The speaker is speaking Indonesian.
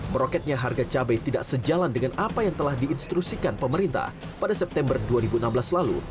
meroketnya harga cabai tidak sejalan dengan apa yang telah diinstrusikan pemerintah pada september dua ribu enam belas lalu